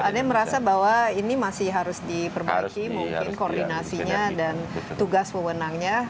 pak adem merasa bahwa ini masih harus diperbaiki mungkin koordinasinya dan tugas mewenangnya